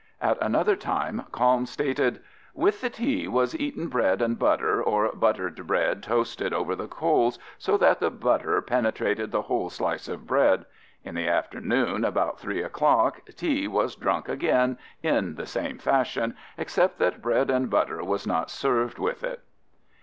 At another time, Kalm stated: With the tea was eaten bread and butter or buttered bread toasted over the coals so that the butter penetrated the whole slice of bread. In the afternoon about three o'clock tea was drunk again in the same fashion, except that bread and butter was not served with it.